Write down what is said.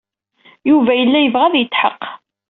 Yuba yella yebɣa ad yetḥeqq.